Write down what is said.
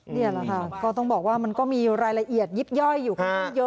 นี่แหละค่ะก็ต้องบอกว่ามันก็มีรายละเอียดยิบย่อย